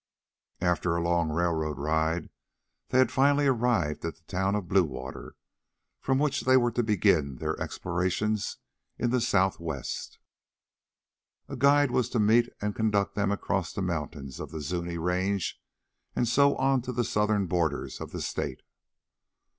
After a long railroad ride, they had finally arrived at the town of Bluewater, from which they were to begin their explorations in the southwest. A guide was to meet and conduct them across the mountains of the Zuni range and so on to the southern borders of the state.